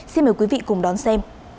xin mời quý vị cùng đón xem